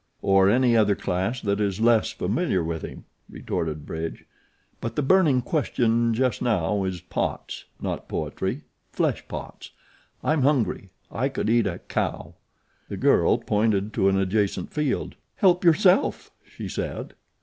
"Or any other class that is less familiar with him," retorted Bridge; "but the burning question just now is pots, not poetry flesh pots. I'm hungry. I could eat a cow." The girl pointed to an adjacent field. "Help yourself," she said.